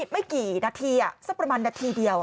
ไม่กี่นาทีสักประมาณนาทีเดียว